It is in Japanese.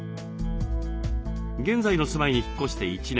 現在の住まいに引っ越して１年。